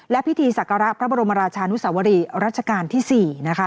และพิธีศักระพระบรมราชานุสวรีรัชกาลที่๔นะคะ